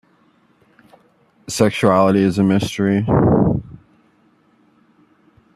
Sexuality is a mystery.